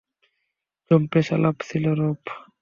জম্পেশ আলাপ ছিল, রব।